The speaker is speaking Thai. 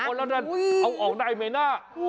เอาออกได้ไหมน่ะ